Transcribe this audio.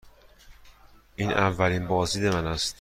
این اولین بازدید من است.